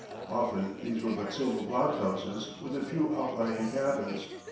Often these were but single blockhouses, with a few outlying cabins.